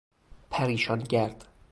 پریشان گرد